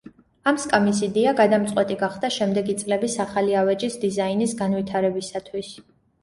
ამ სკამის იდეა გადამწყვეტი გახდა შემდეგი წლების ახალი ავეჯის დიზაინის განვითარებისათვის.